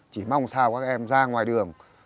chỉ mong sao các em ra ngoài đường